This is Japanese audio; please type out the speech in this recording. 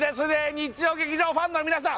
日曜劇場ファンの皆さん